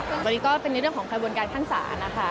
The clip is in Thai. วันนี้ก็เป็นในเรื่องของกระบวนการขั้นศาลนะคะ